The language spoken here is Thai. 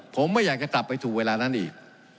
ผมไม่อยากจะกลับไปถูกเวลานั้นอีก